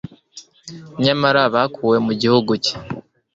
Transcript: nyamara bakuwe mu gihugu cye